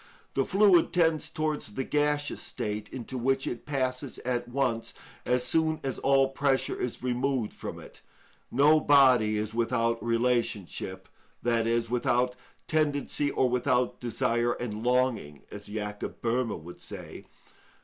The fluid tends towards the gaseous state, into which it passes at once as soon as all pressure is removed from it. No body is without relationship, i.e., without tendency or without desire and longing, as Jacob Böhme would say.